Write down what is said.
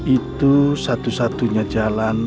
itu satu satunya jalan